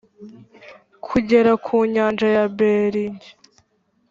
kugera ku nyanja ya bering,